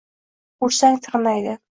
- Ursang tirnaydi;